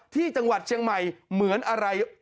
ที่จังหวัดเชียงใหม่เหมือนอะไร